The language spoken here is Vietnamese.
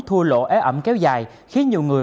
thua lộ ế ẩm kéo dài khiến nhiều người